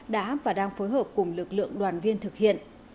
đã và đang phối hợp cùng lực lượng đoàn viên thực hiện